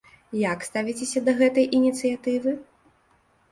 Як ставіцеся да гэтай ініцыятывы?